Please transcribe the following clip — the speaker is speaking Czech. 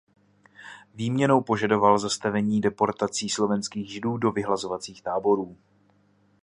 Výměnou požadoval zastavení deportací slovenských Židů do vyhlazovacích táborů.